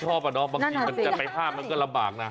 อะเนาะบางทีมันจะไปห้ามมันก็ลำบากนะ